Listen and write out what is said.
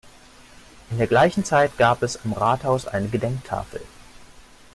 In der gleichen Zeit gab es am Rathaus eine Gedenktafel.